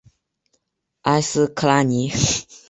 埃斯克拉尼。